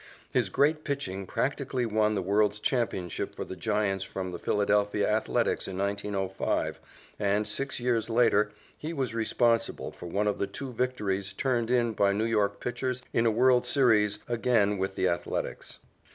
His great pitching practically won the world's championship for the Giants from the Philadelphia Athletics in 1905, and, six years later, he was responsible for one of the two victories turned in by New York pitchers in a world's series again with the Athletics.